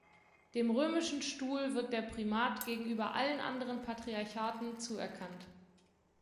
Dem römischen Stuhl wird der Primat gegenüber allen anderen Patriarchaten zuerkannt.